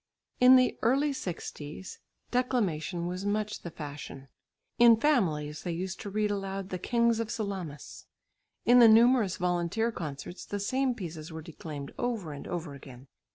In the early sixties declamation was much the fashion. In families they used to read aloud "The Kings of Salamis." In the numerous volunteer concerts the same pieces were declaimed over and over again.